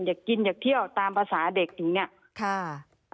อยากกินอยากเที่ยวตามภาษาเด็กอย่างนี้